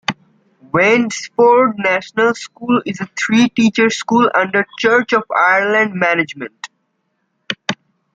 Wandesforde National School is a three-teacher school, under Church of Ireland management.